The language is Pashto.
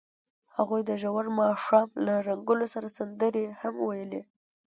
هغوی د ژور ماښام له رنګونو سره سندرې هم ویلې.